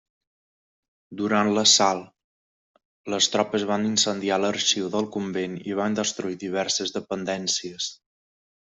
Durant l'assalt, les tropes van incendiar l'arxiu del convent i van destruir diverses dependències.